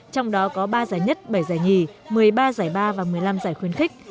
trong đó có ba giải nhất bảy giải nhì một mươi ba giải ba và một mươi năm giải khuyến khích